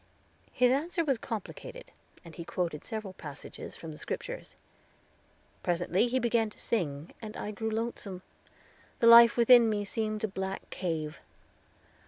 His answer was complicated, and he quoted several passages from the Scriptures. Presently he began to sing, and I grew lonesome; the life within me seemed a black cave.